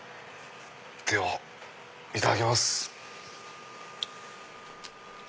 ではいただきます！